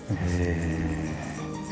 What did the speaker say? へえ。